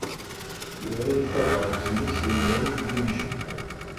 Yura-d tabṛat-nni s yimru n yincew.